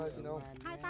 con cảm ơn ông